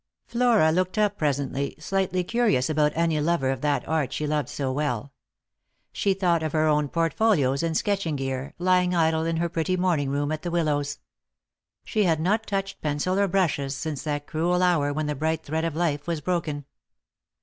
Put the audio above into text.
Flora looked up presently, slightly curious about any lover of that art she loved so well. She thought of her own portfolios and sketching gear, lying idle in her pretty morning room at the Willows. She had not touched pencil or brushes since that cruel hour when the bright thread of life was broken.